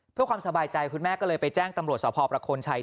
เพื่อความสบายใจคุณแม่ก็เลยไปแจ้งตำรวจสพประโคนชัย